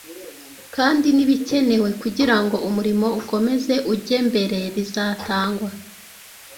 kandi n’ibikenewe kugira ngo umurimo ukomeze ujye mbere bizatangwa.